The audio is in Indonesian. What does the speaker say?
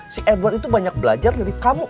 si edward itu banyak belajar dari kamu